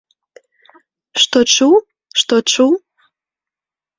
Што чуў, што чуў?